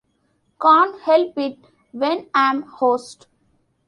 Can't help it, when I'm host.